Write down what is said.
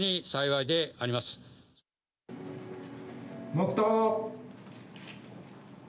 黙とう。